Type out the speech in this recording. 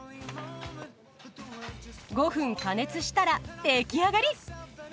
５分加熱したら出来上がり。